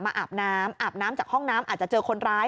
อาบน้ำอาบน้ำจากห้องน้ำอาจจะเจอคนร้าย